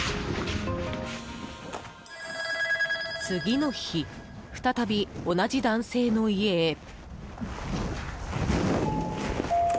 次の日、再び同じ男性の家へ。